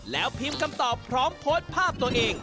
แล้วพิมพ์คำตอบพร้อมโพสต์ภาพตัวเอง